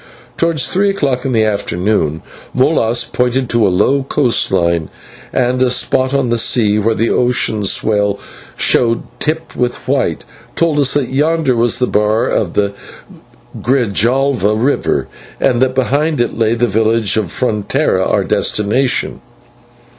Towards three o'clock in the afternoon Molas, pointing to a low coast line, and a spot on the sea where the ocean swell showed tipped with white, told us that yonder was the bar of the Grijalva river, and that behind it lay the village of Frontera, our destination.